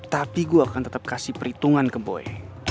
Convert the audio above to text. tapi gue akan tetap kasih perhitungan ke boy